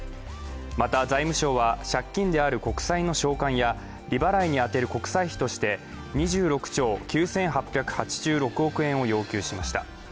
また、財務省は借金である国債の償還や利払いに充てる国債費として２６兆９８８６億円を要求しました。